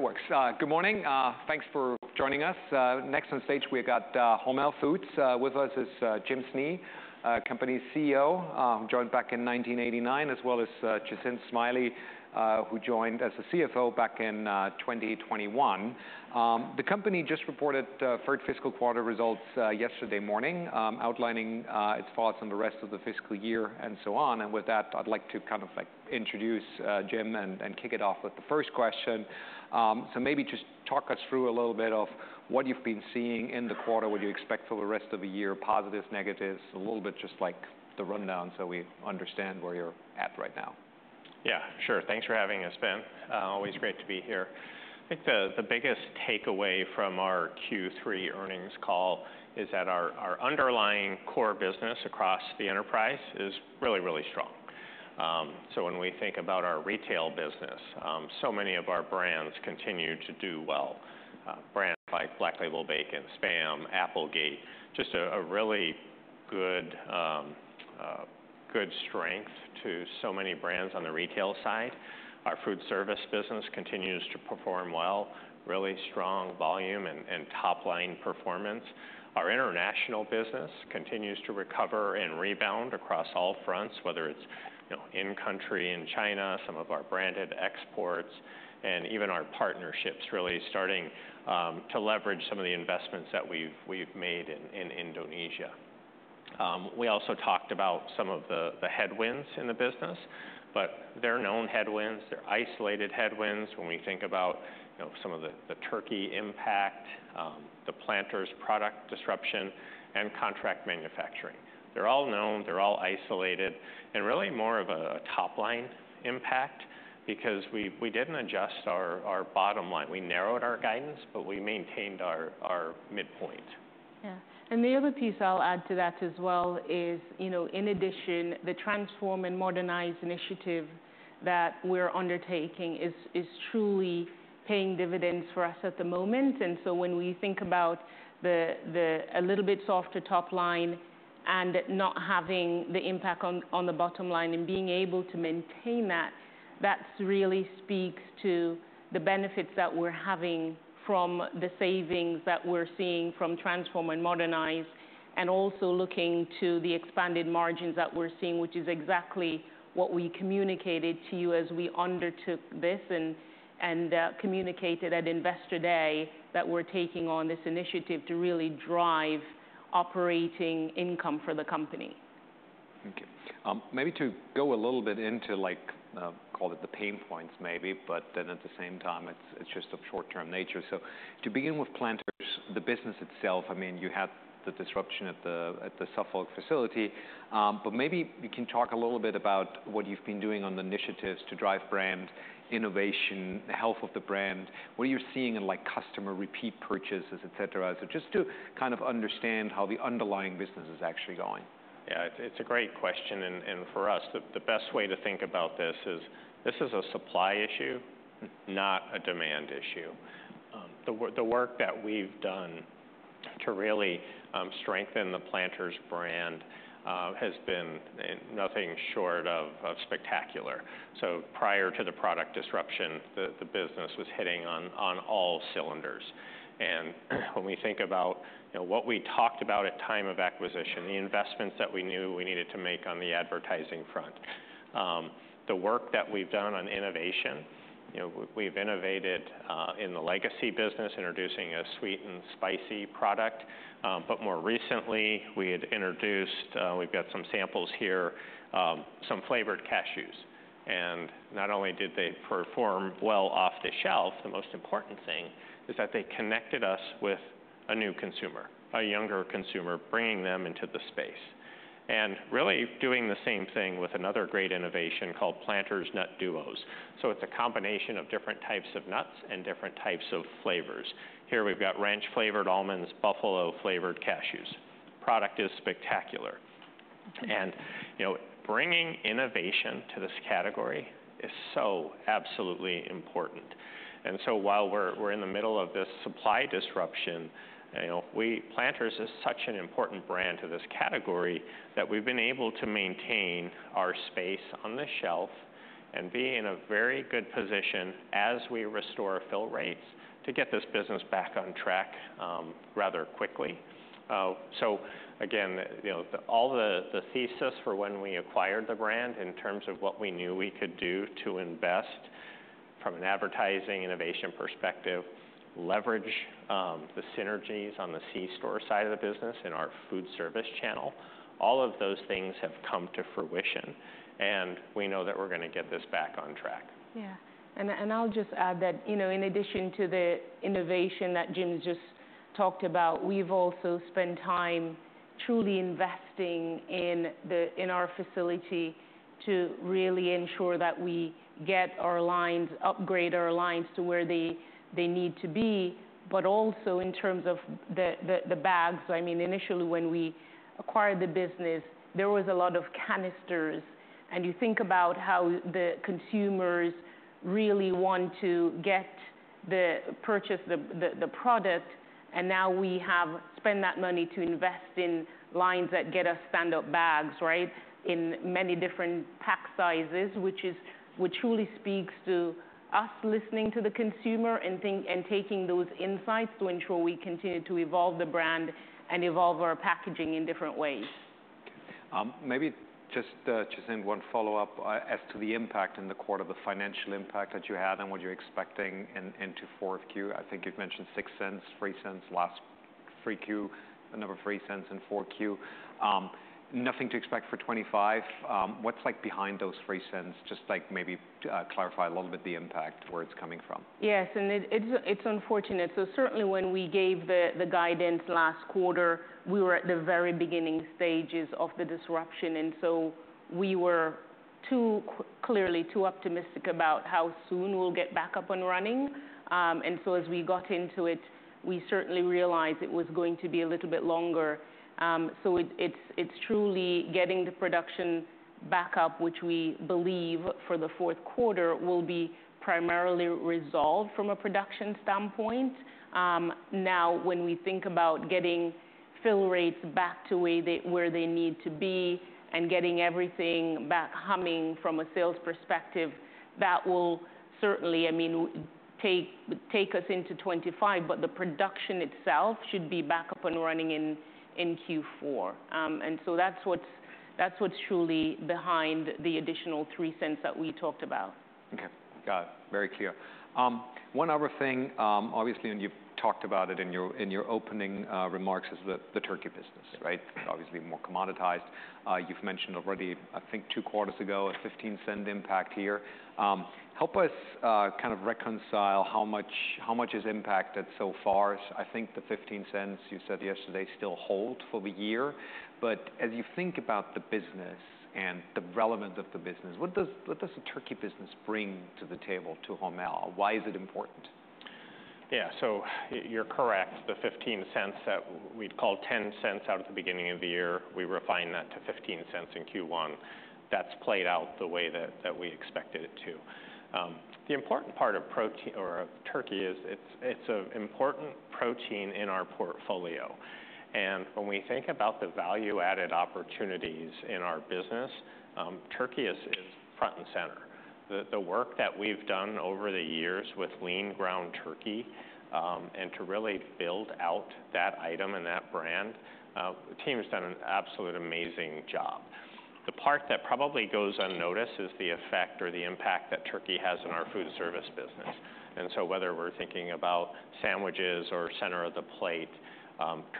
It works. Good morning, thanks for joining us. Next on stage, we've got Hormel Foods. With us is Jim Snee, company's CEO, joined back in 1989, as well as Jacinth Smiley, who joined as the CFO back in 2021. The company just reported third fiscal quarter results yesterday morning, outlining its thoughts on the rest of the fiscal year, and so on. With that, I'd like to kind of, like, introduce Jim and kick it off with the first question, so maybe just talk us through a little bit of what you've been seeing in the quarter, what you expect for the rest of the year, positives, negatives, a little bit just like the rundown, so we understand where you're at right now. Yeah, sure. Thanks for having us, Ben. Always great to be here. I think the biggest takeaway from our Q3 earnings call is that our underlying core business across the enterprise is really, really strong. So when we think about our retail business, so many of our brands continue to do well. Brands like Black Label Bacon, SPAM, Applegate, just a really good strength to so many brands on the retail side. Our food service business continues to perform well, really strong volume and top-line performance. Our international business continues to recover and rebound across all fronts, whether it's, you know, in country, in China, some of our branded exports, and even our partnerships really starting to leverage some of the investments that we've made in Indonesia. We also talked about some of the headwinds in the business, but they're known headwinds, they're isolated headwinds when we think about, you know, some of the turkey impact, the Planters product disruption, and contract manufacturing. They're all known, they're all isolated, and really more of a top-line impact because we didn't adjust our bottom line. We narrowed our guidance, but we maintained our midpoint. Yeah. And the other piece I'll add to that as well is, you know, in addition, the Transform and Modernize initiative that we're undertaking is truly paying dividends for us at the moment. And so when we think about a little bit softer top line and not having the impact on the bottom line and being able to maintain that, that's really speaks to the benefits that we're having from the savings that we're seeing from Transform and Modernize, and also looking to the expanded margins that we're seeing, which is exactly what we communicated to you as we undertook this and communicated at Investor Day, that we're taking on this initiative to really drive operating income for the company. Thank you. Maybe to go a little bit into, like, call it the pain points maybe, but then at the same time, it's just of short-term nature. So to begin with Planters, the business itself, I mean, you had the disruption at the Suffolk facility, but maybe you can talk a little bit about what you've been doing on the initiatives to drive brand, innovation, health of the brand, what you're seeing in, like, customer repeat purchases, et cetera. So just to kind of understand how the underlying business is actually going. Yeah, it's a great question, and for us, the best way to think about this is, this is a supply issue, not a demand issue. The work that we've done to really strengthen the Planters brand has been nothing short of spectacular. So prior to the product disruption, the business was hitting on all cylinders. And when we think about, you know, what we talked about at time of acquisition, the investments that we knew we needed to make on the advertising front, the work that we've done on innovation, you know, we've innovated in the legacy business, introducing a sweet and spicy product, but more recently, we had introduced, we've got some samples here, some flavored cashews. And not only did they perform well off the shelf, the most important thing is that they connected us with a new consumer, a younger consumer, bringing them into the space. And really doing the same thing with another great innovation called Planters Nut Duos. So it's a combination of different types of nuts and different types of flavors. Here we've got ranch-flavored almonds, buffalo-flavored cashews. Product is spectacular. And, you know, bringing innovation to this category is so absolutely important. And so while we're in the middle of this supply disruption, you know, Planters is such an important brand to this category, that we've been able to maintain our space on the shelf and be in a very good position as we restore fill rates to get this business back on track, rather quickly. So again, you know, all the thesis for when we acquired the brand in terms of what we knew we could do to invest from an advertising innovation perspective, leverage the synergies on the c-store side of the business and our food service channel. All of those things have come to fruition, and we know that we're gonna get this back on track. Yeah. And I'll just add that, you know, in addition to the innovation that Jim just talked about, we've also spent time truly investing in our facility to really ensure that we get our lines, upgrade our lines to where they need to be, but also in terms of the bags. So I mean, initially when we acquired the business, there was a lot of canisters, and you think about how the consumers really want to get the purchase, the product, and now we have spent that money to invest in lines that get us standup bags, right? In many different pack sizes, which truly speaks to us listening to the consumer and think, and taking those insights to ensure we continue to evolve the brand and evolve our packaging in different ways. Maybe just in one follow-up as to the impact in the quarter, the financial impact that you had and what you're expecting into fourth Q. I think you'd mentioned $0.06, $0.03 last three Q, another $0.03 in four Q. Nothing to expect for 2025. What's like behind those three cents? Just like maybe clarify a little bit the impact, where it's coming from. Yes, and it's unfortunate. So certainly when we gave the guidance last quarter, we were at the very beginning stages of the disruption, and so we were too clearly optimistic about how soon we'll get back up and running. And so as we got into it, we certainly realized it was going to be a little bit longer. So it's truly getting the production back up, which we believe for the fourth quarter will be primarily resolved from a production standpoint. Now, when we think about getting fill rates back to where they need to be and getting everything back humming from a sales perspective, that will certainly, I mean, take us into 2025. But the production itself should be back up and running in Q4. That's what's truly behind the additional $0.03 that we talked about. Okay. Got it. Very clear. One other thing, obviously, and you've talked about it in your opening remarks, is the turkey business, right? Yeah. Obviously, more commoditized. You've mentioned already, I think two quarters ago, a $0.15 impact here. Help us kind of reconcile how much is impacted so far. I think the $0.15 you said yesterday still hold for the year, but as you think about the business and the relevance of the business, what does the turkey business bring to the table, to Hormel? Why is it important? Yeah, so you're correct. The $0.15 that we'd called $0.10 out at the beginning of the year, we refined that to $0.15 in Q1. That's played out the way that we expected it to. The important part of protein or of turkey is, it's an important protein in our portfolio. And when we think about the value-added opportunities in our business, turkey is front and center. The work that we've done over the years with lean ground turkey, and to really build out that item and that brand, the team has done an absolute amazing job. The part that probably goes unnoticed is the effect or the impact that turkey has on our food service business. Whether we're thinking about sandwiches or center of the plate,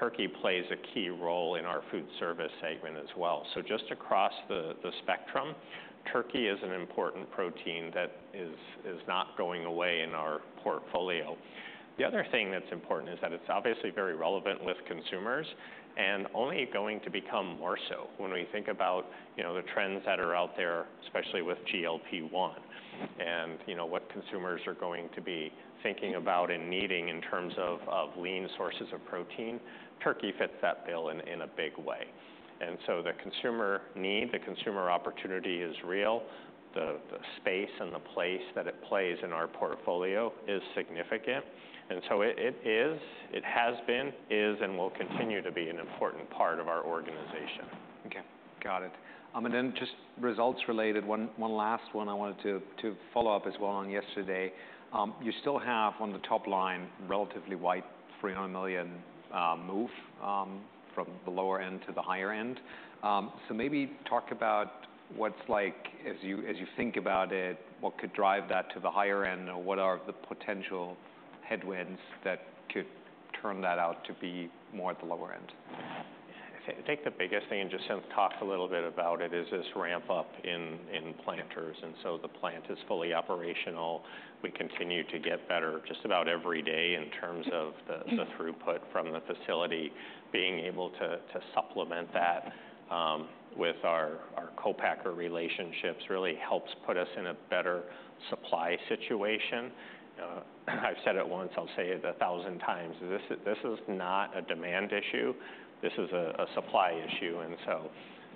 turkey plays a key role in our food service segment as well. Just across the spectrum, turkey is an important protein that is not going away in our portfolio. The other thing that's important is that it's obviously very relevant with consumers, and only going to become more so when we think about, you know, the trends that are out there, especially with GLP-1, and, you know, what consumers are going to be thinking about and needing in terms of lean sources of protein, turkey fits that bill in a big way. The consumer need, the consumer opportunity is real. The space and the place that it plays in our portfolio is significant, and so it is. It has been, is, and will continue to be an important part of our organization. Okay. Got it. And then just results related, one last one I wanted to follow up as well on yesterday. You still have, on the top line, relatively wide $300 million move from the lower end to the higher end. So maybe talk about what's like, as you think about it, what could drive that to the higher end? Or what are the potential headwinds that could turn that out to be more at the lower end? I think the biggest thing, and just since talked a little bit about it, is this ramp up in Planters, and so the plant is fully operational. We continue to get better just about every day in terms of the- Mm-hmm... the throughput from the facility. Being able to supplement that with our co-packer relationships really helps put us in a better supply situation. I've said it once, I'll say it a thousand times, this is not a demand issue, this is a supply issue. And so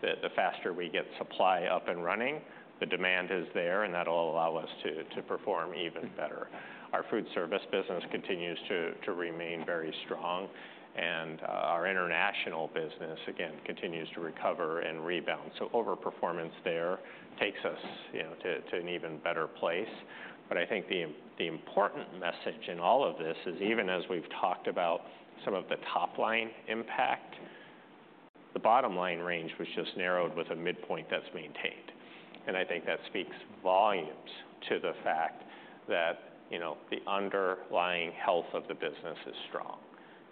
the faster we get supply up and running, the demand is there, and that'll allow us to perform even better. Our food service business continues to remain very strong, and our international business, again, continues to recover and rebound. So over performance there takes us, you know, to an even better place. But I think the important message in all of this is, even as we've talked about some of the top line impact, the bottom line range was just narrowed with a midpoint that's maintained. And I think that speaks volumes to the fact that, you know, the underlying health of the business is strong.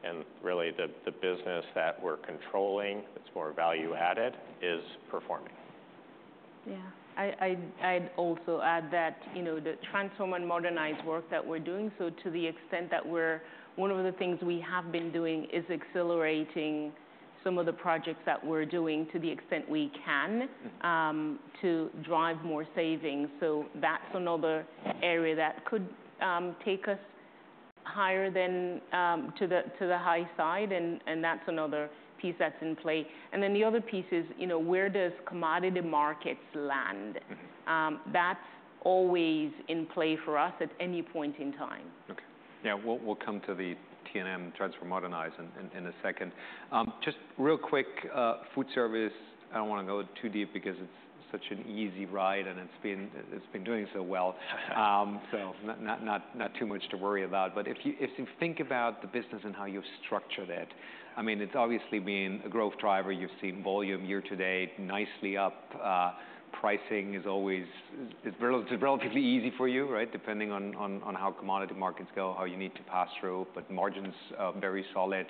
And really, the business that we're controlling, that's more value added, is performing. Yeah. I'd also add that, you know, the Transform and Modernize work that we're doing, so to the extent that we're one of the things we have been doing is accelerating some of the projects that we're doing to the extent we can- Mm-hmm... to drive more savings. So that's another area that could take us higher than to the high side, and that's another piece that's in play. And then the other piece is, you know, where does commodity markets land? Mm-hmm. That's always in play for us at any point in time. Okay. Yeah, we'll come to the transform and modernize in a second. Just real quick, food service, I don't wanna go too deep because it's such an easy ride, and it's been doing so well. So not too much to worry about. But if you think about the business and how you've structured it, I mean, it's obviously been a growth driver. You've seen volume year to date, nicely up. Pricing is always relatively easy for you, right? Depending on how commodity markets go, how you need to pass through, but margins are very solid.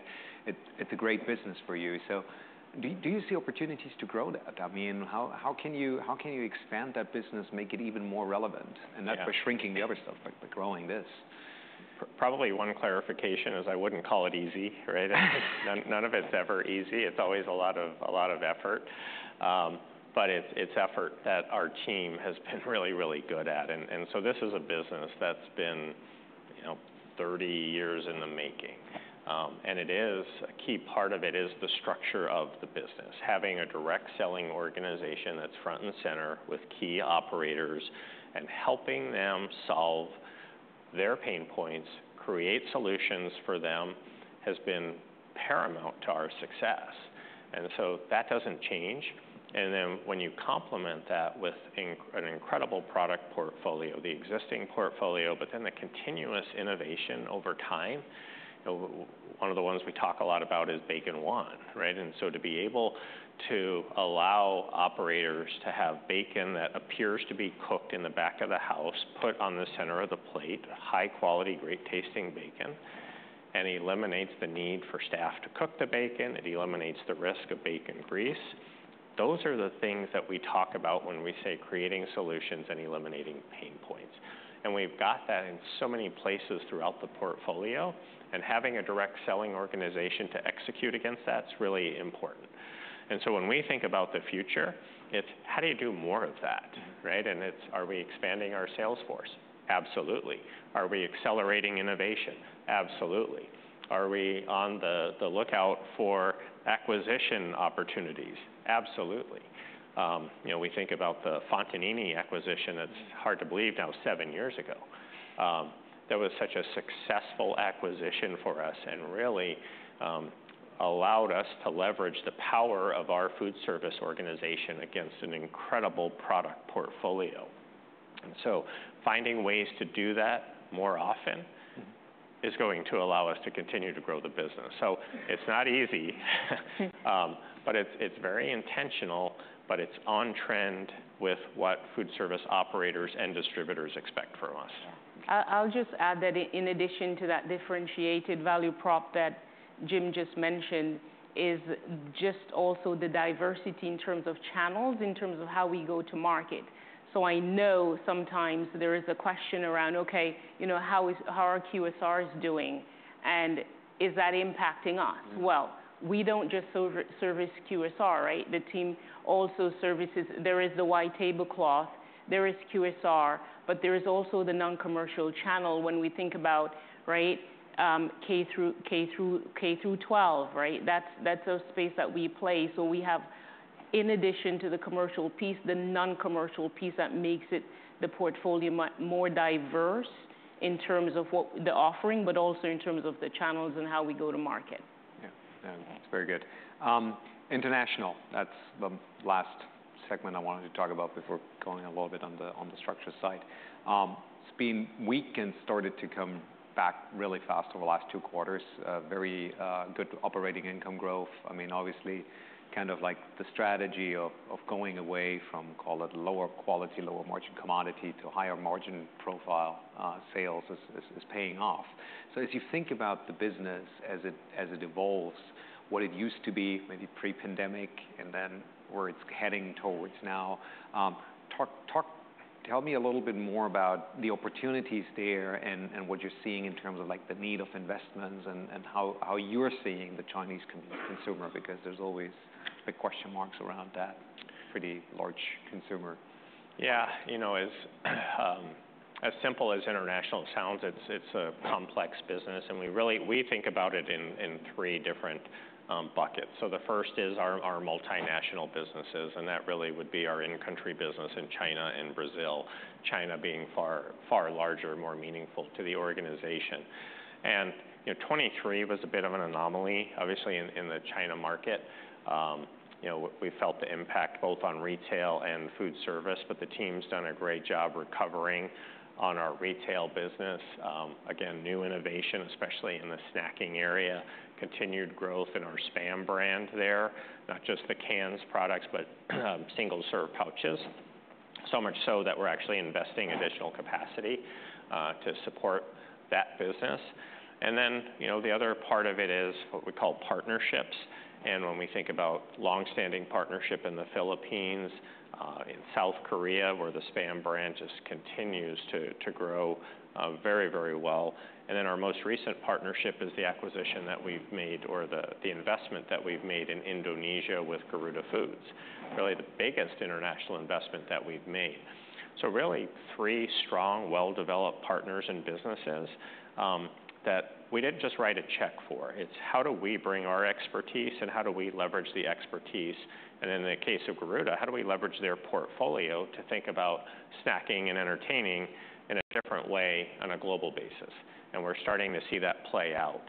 It's a great business for you. So do you see opportunities to grow that? I mean, how can you expand that business, make it even more relevant? Yeah. And not by shrinking the other stuff, but by growing this. Probably one clarification is, I wouldn't call it easy, right? None, none of it's ever easy. It's always a lot of, a lot of effort. But it's, it's effort that our team has been really, really good at. And, and so this is a business that's been, you know, 30 years in the making. And it is, a key part of it is the structure of the business. Having a direct selling organization that's front and center with key operators, and helping them solve their pain points, create solutions for them, has been paramount to our success, and so that doesn't change. And then when you complement that with an incredible product portfolio, the existing portfolio, but then the continuous innovation over time. You know, one of the ones we talk a lot about is Bacon 1, right? And so to be able to allow operators to have bacon that appears to be cooked in the back of the house, put on the center of the plate, high quality, great-tasting bacon, and eliminates the need for staff to cook the bacon, it eliminates the risk of bacon grease. Those are the things that we talk about when we say creating solutions and eliminating pain points. And we've got that in so many places throughout the portfolio, and having a direct selling organization to execute against that's really important. And so when we think about the future, it's: how do you do more of that, right? And it's, are we expanding our sales force? Absolutely. Are we accelerating innovation? Absolutely. Are we on the, the lookout for acquisition opportunities? Absolutely. You know, we think about the Fontanini acquisition, that's hard to believe now, seven years ago. That was such a successful acquisition for us, and really, allowed us to leverage the power of our food service organization against an incredible product portfolio, and so finding ways to do that more often- Mm... is going to allow us to continue to grow the business. So it's not easy, but it's very intentional, but it's on trend with what food service operators and distributors expect from us. Yeah. I'll just add that in addition to that differentiated value prop that Jim just mentioned, is just also the diversity in terms of channels, in terms of how we go to market. So I know sometimes there is a question around, okay, you know, how are QSRs doing, and is that impacting us? Mm. We don't just service QSR, right? The team also services the white tablecloth, there is QSR, but there is also the non-commercial channel when we think about, right, K through 12, right? That's a space that we play. So we have, in addition to the commercial piece, the non-commercial piece, that makes it the portfolio more diverse in terms of what the offering, but also in terms of the channels and how we go to market. Yeah. Yeah, that's very good. International, that's the last segment I wanted to talk about before going a little bit on the structure side. It's been weak and started to come back really fast over the last two quarters. Very good operating income growth. I mean, obviously, kind of like the strategy of going away from, call it, lower quality, lower margin commodity to higher margin profile sales is paying off. So as you think about the business, as it evolves, what it used to be, maybe pre-pandemic, and then where it's heading towards now, tell me a little bit more about the opportunities there and what you're seeing in terms of, like, the need of investments and how you're seeing the Chinese consumer, because there's always big question marks around that pretty large consumer. Yeah. You know, as simple as international sounds, it's a complex business, and we really think about it in three different buckets. So the first is our multinational businesses, and that really would be our in-country business in China and Brazil. China being far, far larger and more meaningful to the organization. And, you know, 2023 was a bit of an anomaly, obviously, in the China market. You know, we felt the impact both on retail and food service, but the team's done a great job recovering on our retail business. Again, new innovation, especially in the snacking area, continued growth in our SPAM brand there, not just the cans products, but single-serve pouches. So much so that we're actually investing additional capacity- Yeah... to support that business. And then, you know, the other part of it is what we call partnerships. And when we think about long-standing partnership in the Philippines, in South Korea, where the SPAM brand just continues to grow, very, very well. And then our most recent partnership is the acquisition that we've made, or the investment that we've made in Indonesia with Garudafood. Really, the biggest international investment that we've made. So really, three strong, well-developed partners and businesses, that we didn't just write a check for. It's how do we bring our expertise, and how do we leverage the expertise? And in the case of Garuda, how do we leverage their portfolio to think about snacking and entertaining in a different way on a global basis? And we're starting to see that play out.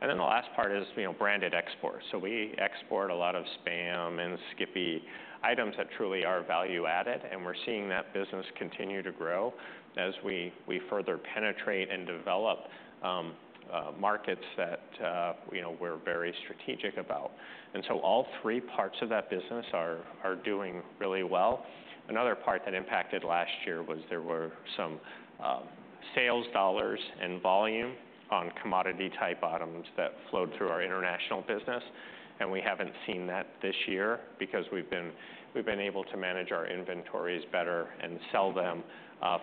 And then the last part is, you know, branded exports. So we export a lot of SPAM and Skippy, items that truly are value-added, and we're seeing that business continue to grow as we further penetrate and develop markets that, you know, we're very strategic about. And so all three parts of that business are doing really well. Another part that impacted last year was there were some sales dollars and volume on commodity-type items that flowed through our international business, and we haven't seen that this year because we've been able to manage our inventories better and sell them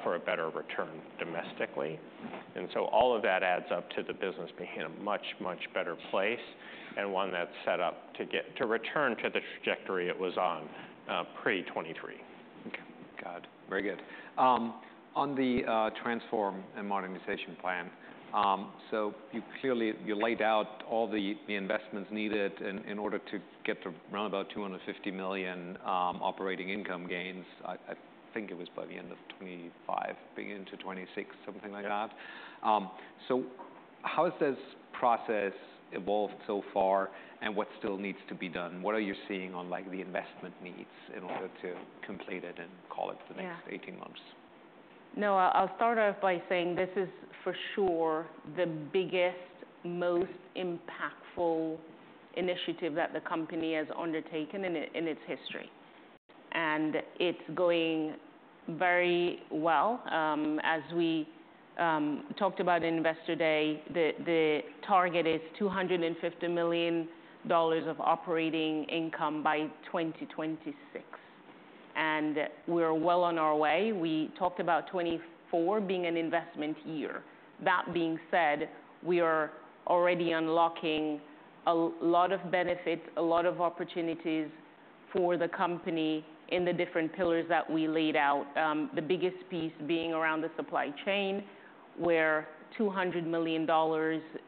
for a better return domestically. And so all of that adds up to the business being in a much, much better place, and one that's set up to get to return to the trajectory it was on pre-2023. Okay, got it. Very good. On the Transform and Modernize plan, so you clearly laid out all the investments needed in order to get to around about $250 million operating income gains. I think it was by the end of 2025, beginning to 2026, something like that. Yeah. So how has this process evolved so far, and what still needs to be done? What are you seeing on, like, the investment needs in order to complete it and call it the next- Yeah... eighteen months? No, I'll start off by saying this is, for sure, the biggest, most impactful initiative that the company has undertaken in its history, and it's going very well. As we talked about in Investor Day, the target is $250 million of operating income by 2026, and we are well on our way. We talked about 2024 being an investment year. That being said, we are already unlocking a lot of benefits, a lot of opportunities for the company in the different pillars that we laid out. The biggest piece being around the supply chain, where $200 million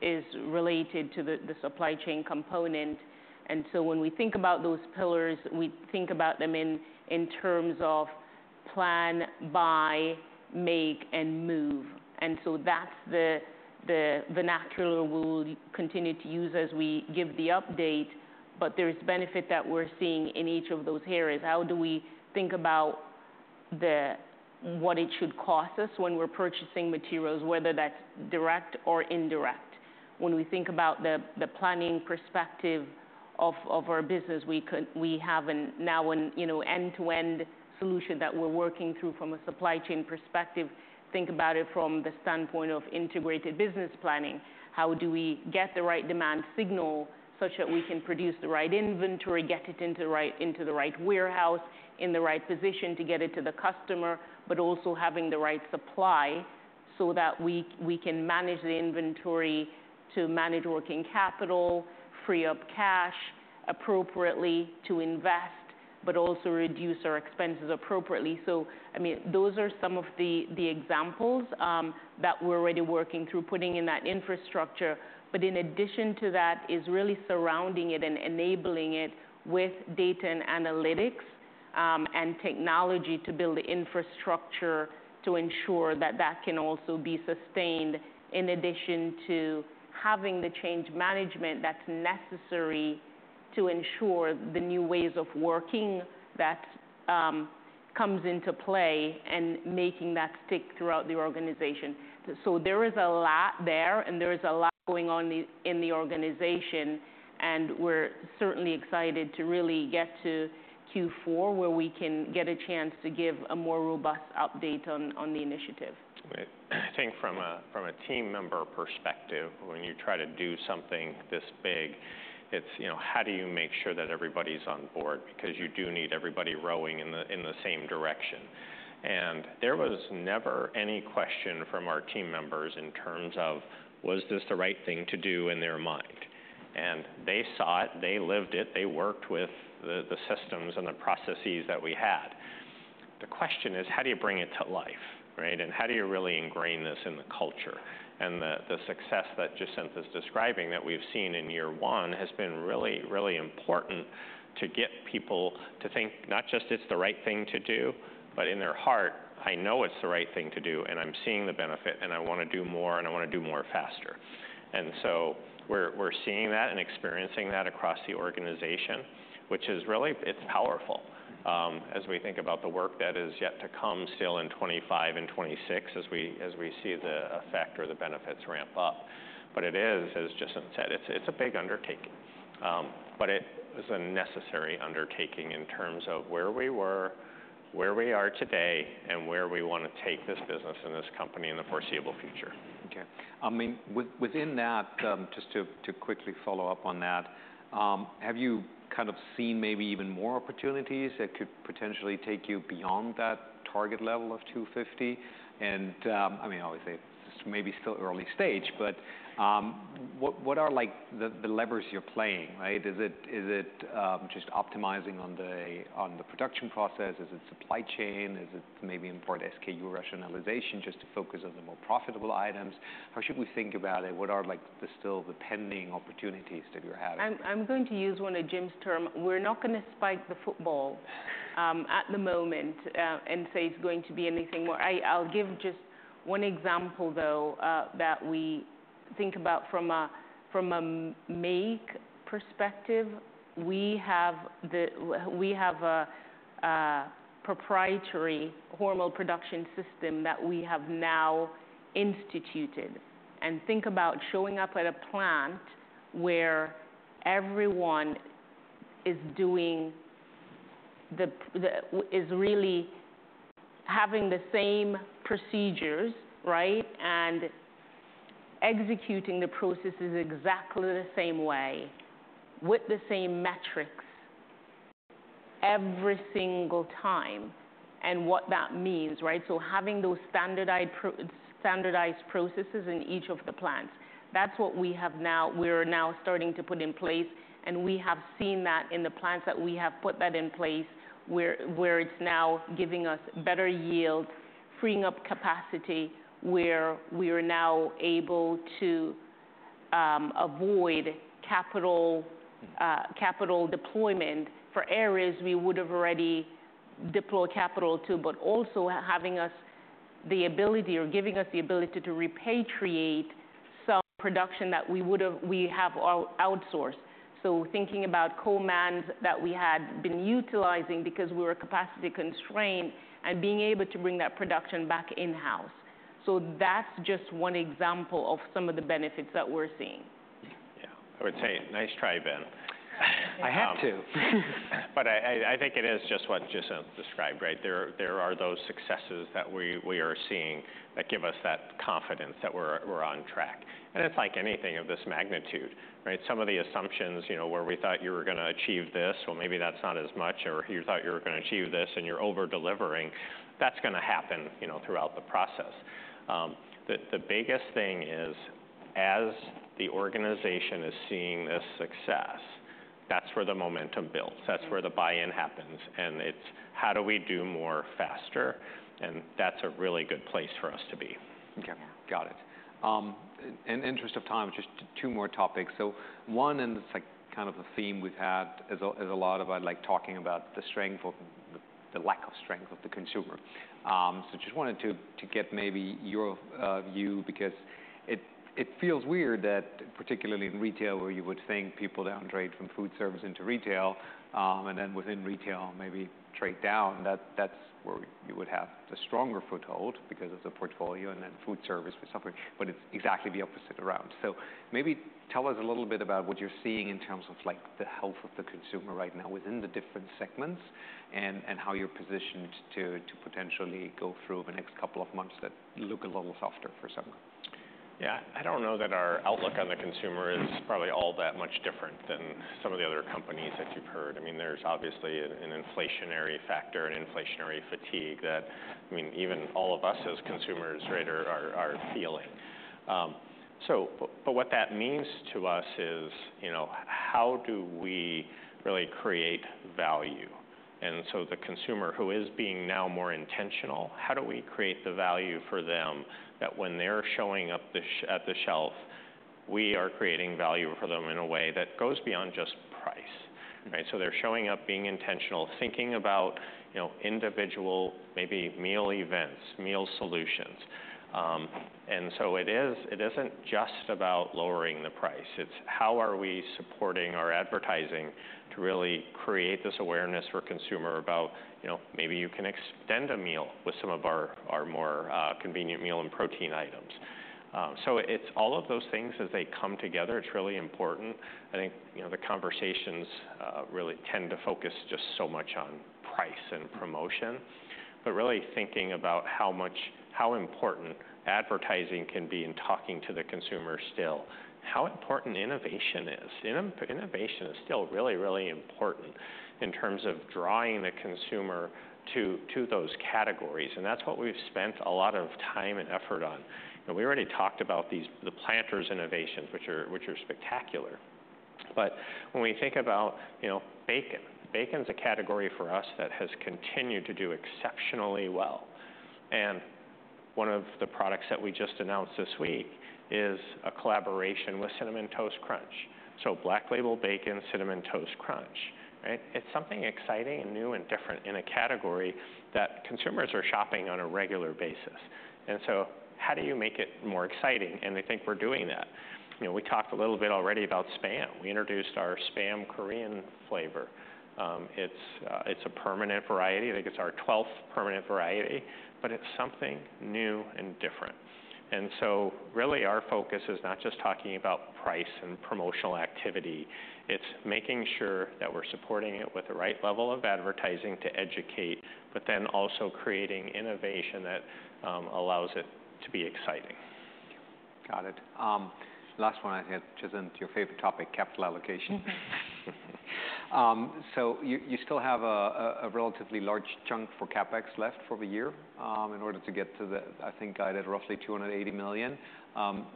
is related to the supply chain component. And so when we think about those pillars, we think about them in terms of plan, buy, make, and move. And so that's the natural we'll continue to use as we give the update, but there is benefit that we're seeing in each of those areas. How do we think about what it should cost us when we're purchasing materials, whether that's direct or indirect? When we think about the planning perspective of our business, we have now an, you know, end-to-end solution that we're working through from a supply chain perspective. Think about it from the standpoint of integrated business planning. How do we get the right demand signal, such that we can produce the right inventory, get it into the right warehouse, in the right position to get it to the customer, but also having the right supply so that we can manage the inventory to manage working capital, free up cash appropriately to invest, but also reduce our expenses appropriately? So, I mean, those are some of the examples that we're already working through, putting in that infrastructure. But in addition to that, is really surrounding it and enabling it with data and analytics, and technology to build the infrastructure to ensure that that can also be sustained, in addition to having the change management that's necessary to ensure the new ways of working that comes into play, and making that stick throughout the organization. So there is a lot there, and there is a lot going on in the organization, and we're certainly excited to really get to Q4, where we can get a chance to give a more robust update on the initiative. Right. I think from a team member perspective, when you try to do something this big, it's, you know, how do you make sure that everybody's on board? Because you do need everybody rowing in the same direction. And there was never any question from our team members in terms of, was this the right thing to do in their mind? And they saw it, they lived it, they worked with the systems and the processes that we had. The question is: How do you bring it to life, right? And how do you really ingrain this in the culture? And the success that Jacinth is describing, that we've seen in year one, has been really, really important to get people to think, not just it's the right thing to do, but in their heart, "I know it's the right thing to do, and I'm seeing the benefit, and I want to do more, and I want to do more faster." And so we're seeing that and experiencing that across the organization, which is really, it's powerful, as we think about the work that is yet to come still in 2025 and 2026, as we see the effect or the benefits ramp up. But it is, as Jacinth said, it's a big undertaking, but it is a necessary undertaking in terms of where we were... where we are today, and where we want to take this business and this company in the foreseeable future. Okay. I mean, within that, just to quickly follow up on that, have you kind of seen maybe even more opportunities that could potentially take you beyond that target level of two fifty? And, I mean, obviously, this may be still early stage, but, what are, like, the levers you're playing, right? Is it, just optimizing on the production process? Is it supply chain? Is it maybe important SKU rationalization just to focus on the more profitable items? How should we think about it? What are, like, the still pending opportunities that you're having? I'm going to use one of Jim's term. We're not gonna spike the football at the moment and say it's going to be anything more. I'll give just one example, though, that we think about from a make perspective. We have a proprietary Hormel Production System that we have now instituted. Think about showing up at a plant where everyone is doing the same procedures, right, and executing the processes exactly the same way, with the same metrics, every single time, and what that means, right? So having those standardized processes in each of the plants, that's what we have now. We're now starting to put in place, and we have seen that in the plants that we have put that in place, where it's now giving us better yield, freeing up capacity, where we are now able to avoid capital deployment for areas we would have already deployed capital to, but also giving us the ability to repatriate some production that we would have outsourced. So thinking about co-mans that we had been utilizing because we were capacity constrained, and being able to bring that production back in-house. So that's just one example of some of the benefits that we're seeing. Yeah, I would say, nice try, Ben. I had to. But I think it is just what Jacinth described, right? There are those successes that we are seeing that give us that confidence that we're on track. And it's like anything of this magnitude, right? Some of the assumptions, you know, where we thought you were gonna achieve this, well, maybe that's not as much, or you thought you were gonna achieve this, and you're over-delivering. That's gonna happen, you know, throughout the process. The biggest thing is, as the organization is seeing this success, that's where the momentum builds, that's where the buy-in happens, and it's how do we do more faster? And that's a really good place for us to be. Okay. Yeah. Got it. In interest of time, just two more topics. So one, and it's, like, kind of a theme we've had, is a lot about, like, talking about the strength of the lack of strength of the consumer. So just wanted to get maybe your view, because it feels weird that particularly in retail, where you would think people downgrade from food service into retail, and then within retail, maybe trade down, that's where you would have the stronger foothold because of the portfolio and then food service for suffering, but it's exactly the opposite around. So maybe tell us a little bit about what you're seeing in terms of, like, the health of the consumer right now within the different segments, and how you're positioned to potentially go through the next couple of months that look a little softer for some? Yeah. I don't know that our outlook on the consumer is probably all that much different than some of the other companies that you've heard. I mean, there's obviously an inflationary factor and inflationary fatigue that, I mean, even all of us as consumers, right, are feeling. But what that means to us is, you know, how do we really create value? And so the consumer who is being now more intentional, how do we create the value for them, that when they're showing up at the shelf, we are creating value for them in a way that goes beyond just price, right? So they're showing up, being intentional, thinking about, you know, individual, maybe meal events, meal solutions. It isn't just about lowering the price. It's how are we supporting our advertising to really create this awareness for consumer about, you know, maybe you can extend a meal with some of our more convenient meal and protein items, so it's all of those things as they come together. It's really important. I think, you know, the conversations really tend to focus just so much on price and promotion, but really thinking about how important advertising can be in talking to the consumer still, how important innovation is. Innovation is still really, really important in terms of drawing the consumer to those categories, and that's what we've spent a lot of time and effort on, and we already talked about these, the Planters innovations, which are spectacular. But when we think about, you know, bacon. Bacon's a category for us that has continued to do exceptionally well. And one of the products that we just announced this week is a collaboration with Cinnamon Toast Crunch. So Black Label Bacon, Cinnamon Toast Crunch, right? It's something exciting, and new, and different in a category that consumers are shopping on a regular basis. And so how do you make it more exciting? And I think we're doing that. You know, we talked a little bit already about SPAM. We introduced our SPAM Korean flavor. It's a permanent variety. I think it's our twelfth permanent variety, but it's something new and different. And so really, our focus is not just talking about price and promotional activity, it's making sure that we're supporting it with the right level of advertising to educate, but then also creating innovation that allows it to be exciting.... Got it. Last one I had, Jacinth, your favorite topic, capital allocation. So you still have a relatively large chunk for CapEx left for the year, in order to get to the, I think, I read roughly $280 million.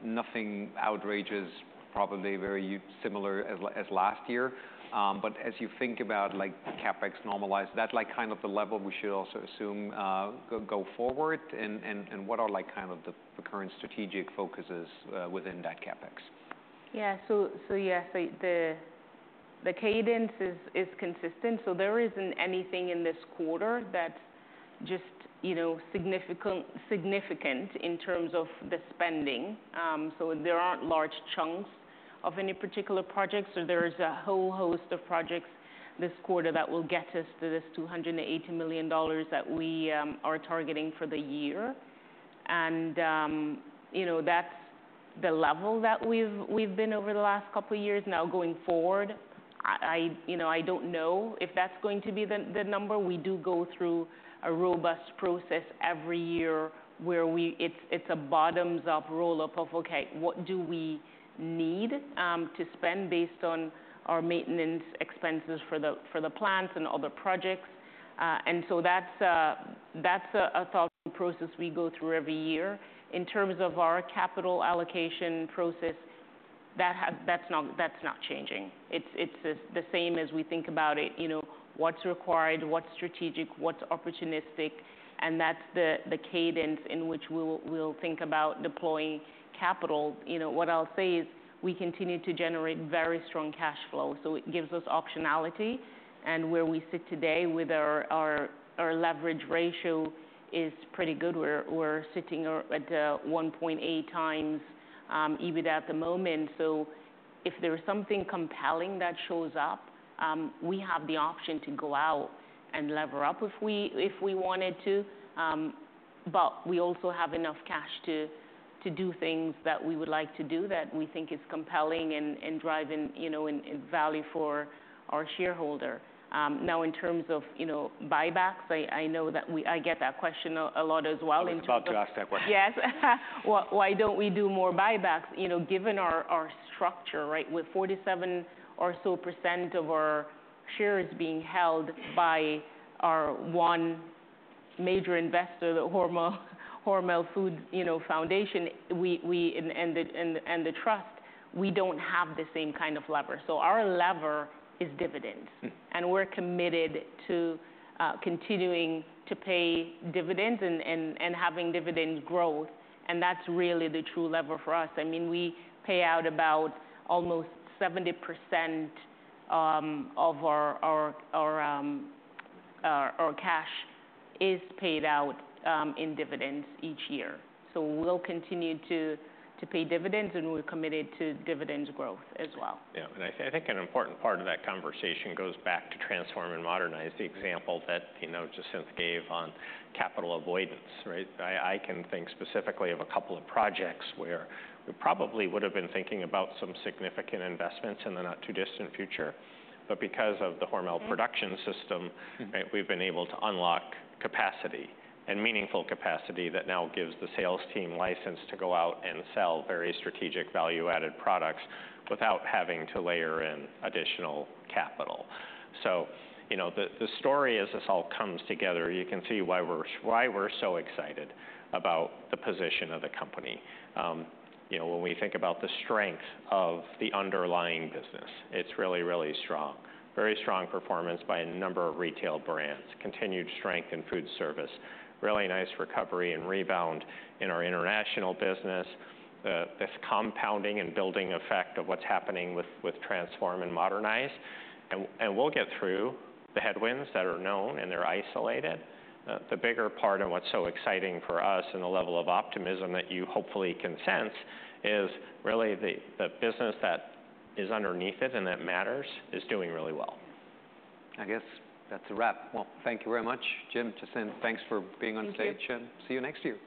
Nothing outrageous, probably very similar as last year. But as you think about, like, CapEx normalized, is that, like, kind of the level we should also assume go forward? And what are, like, kind of the current strategic focuses within that CapEx? Yeah, so yes, the cadence is consistent, so there isn't anything in this quarter that's just, you know, significant in terms of the spending. So there aren't large chunks of any particular projects, so there's a whole host of projects this quarter that will get us to this $280 million that we are targeting for the year. You know, that's the level that we've been over the last couple of years. Now, going forward, you know, I don't know if that's going to be the number. We do go through a robust process every year where we it's a bottoms-up roll-up of, okay, what do we need to spend based on our maintenance expenses for the plants and other projects? And so that's a thought process we go through every year. In terms of our capital allocation process, that's not changing. It's the same as we think about it, you know, what's required, what's strategic, what's opportunistic, and that's the cadence in which we'll think about deploying capital. You know, what I'll say is we continue to generate very strong cash flow, so it gives us optionality. And where we sit today with our leverage ratio is pretty good. We're sitting at 1.8 times EBITDA at the moment. So if there is something compelling that shows up, we have the option to go out and lever up if we wanted to. But we also have enough cash to do things that we would like to do that we think is compelling and driving, you know, and value for our shareholder. Now, in terms of, you know, buybacks, I know that we-I get that question a lot as well in terms of- I was about to ask that question. Yes. Why don't we do more buybacks? You know, given our structure, right, with 47% or so of our shares being held by our one major investor, the Hormel Foundation, you know, and the trust, we don't have the same kind of lever. So our lever is dividends- Mm. and we're committed to continuing to pay dividends and having dividend growth, and that's really the true lever for us. I mean, we pay out about almost 70% of our cash is paid out in dividends each year. So we'll continue to pay dividends, and we're committed to dividends growth as well. Yeah, and I think an important part of that conversation goes back to transform and modernize, the example that, you know, Jacinth gave on capital avoidance, right? I, I can think specifically of a couple of projects where we probably would've been thinking about some significant investments in the not-too-distant future, but because of the Hormel- Mm... Production System. Mm Right, we've been able to unlock capacity, and meaningful capacity, that now gives the sales team license to go out and sell very strategic value-added products without having to layer in additional capital. So, you know, the story as this all comes together, you can see why we're so excited about the position of the company. You know, when we think about the strength of the underlying business, it's really, really strong. Very strong performance by a number of retail brands, continued strength in food service, really nice recovery and rebound in our international business, this compounding and building effect of what's happening with Transform and Modernize. And we'll get through the headwinds that are known, and they're isolated. The bigger part and what's so exciting for us and the level of optimism that you hopefully can sense is really the business that is underneath it and that matters is doing really well. I guess that's a wrap. Well, thank you very much, Jim, Jacinth. Thanks for being on stage. Thank you... and see you next year.